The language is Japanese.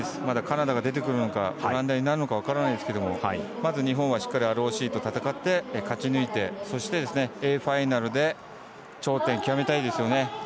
まだカナダが出てくるのかオランダになるのか分からないですがまず日本はしっかりＲＯＣと戦って勝ち抜いてファイナルで頂点、極めたいですよね。